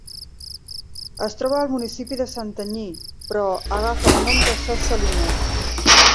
Es troba al municipi de Santanyí però agafa el nom de Ses Salines.